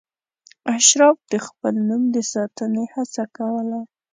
اشراف د خپل نوم د ساتنې هڅه کوله.